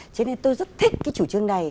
cho nên tôi rất thích cái chủ trương này